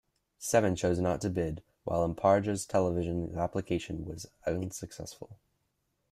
Seven chose not to bid, while Imparja Television's application was unsuccessful.